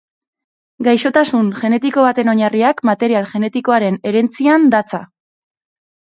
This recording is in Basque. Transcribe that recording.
Gaixotasun genetiko baten oinarriak material genetikoaren herentzian datza.